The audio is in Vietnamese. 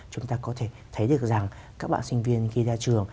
chúng ta có thể thấy được rằng các bạn sinh viên khi ra trường